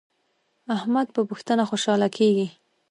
احمد په پښتنه خوشحاله کیږي.